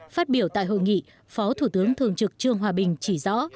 phát biểu tại hội nghị phó thủ tướng thường trực trương hòa bình chỉ rõ